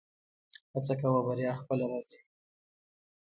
هڅه کوه بریا خپله راځي